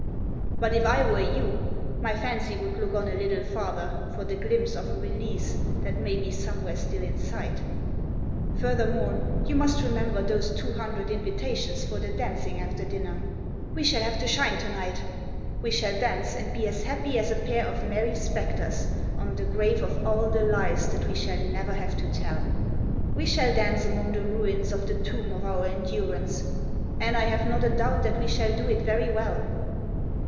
But if I were you, my fancy would look on a little farther For the glimpse of a release that may be somewhere still in sight. Furthermore, you must remember those two hundred invitations For the dancing after dinner. We shall have to shine tonight. We shall dance, and be as happy as a pair of merry spectres, On the grave of all the lies that we shall never have to tell; We shall dance among the ruins of the tomb of our endurance, And I have not a doubt that we shall do it very well.